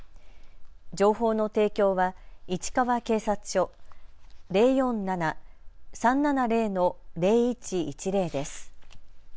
情報の提供は市川警察署、０４７−３７０ー０１１０です。